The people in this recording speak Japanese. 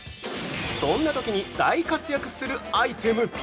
そんなときに大活躍するアイテム。